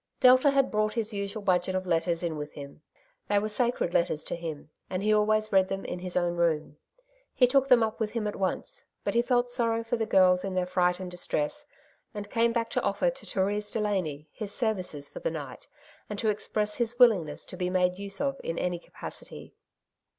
Delta had brought his usual budget of letters in with him. They were sacred letters to him, and he always read them in his own room. He took them up with him at once, but he felt sorrow for the girls in their fright and distress, and came back to offer to Therese Delany his services for the night, and to express his willingness to be made use of in any capacity.